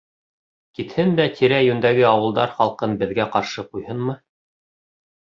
— Китһен дә тирә-йүндәге ауылдар халҡын беҙгә ҡаршы ҡуйһынмы?